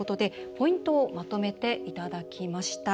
ポイントをまとめていただきました。